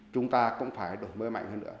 chúng ta cũng phải đổi mới mạnh hơn nữa